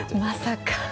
まさか。